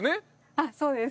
あっそうです。